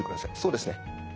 そうですね。